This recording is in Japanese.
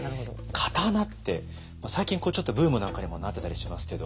刀って最近ちょっとブームなんかにもなってたりしますけど。